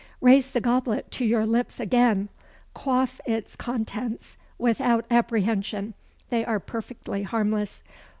Raise the goblet to your lips again. Quaff its contents without apprehension they are perfectly harmless.